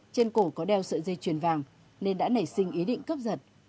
trên cổ có đeo sợi dây chuyền vàng nên đã nảy sinh ý định cướp giật